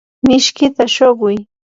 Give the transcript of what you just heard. mishkita shuquy.